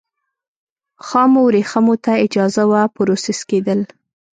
خامو ورېښمو ته اجازه وه پروسس کېدل.